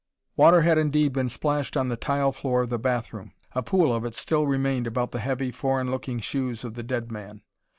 Water had indeed been splashed on the tile floor of the bath room; a pool of it still remained about the heavy, foreign looking shoes of the dead man.